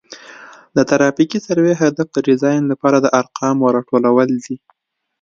د ترافیکي سروې هدف د ډیزاین لپاره د ارقامو راټولول دي